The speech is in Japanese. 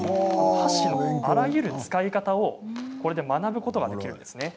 箸のあらゆる使い方をこれで学ぶことができるんですね。